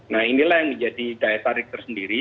nah inilah yang menjadi daya tarik tersendiri